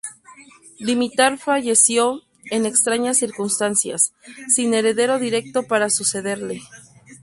Dimitar falleció en extrañas circunstancias, sin heredero directo para sucederle.